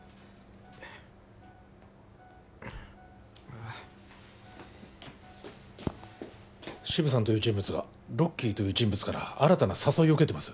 これだシブさんという人物がロッキーという人物から新たな誘いを受けてます